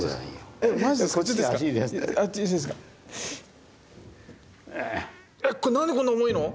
えっこれ何でこんな重いの？